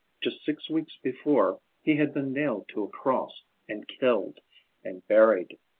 Just six weeks before, he had been nailed to a cross, and killed, and buried.